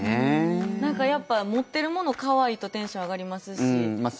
なんか持ってるもの可愛いとテンション上がりますし。